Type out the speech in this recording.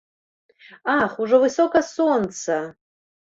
Ах, ужо высока сонца!